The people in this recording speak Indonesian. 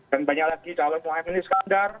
dan banyak lagi calon yang mau mnis kandar